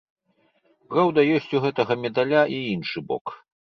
Праўда, ёсць у гэтага медаля і іншы бок.